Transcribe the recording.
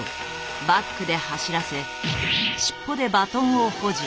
バックで走らせ尻尾でバトンを保持。